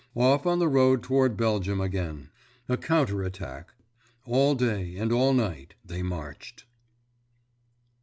Off on the road toward Belgium again. A counter attack. All day and all night they marched.